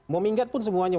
mau minggat pun semuanya